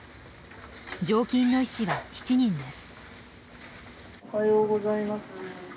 常勤の医師は７人です。